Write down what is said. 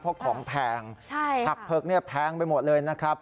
เพราะของแพงผักเพลิกแพงไปหมดเลยนะครับ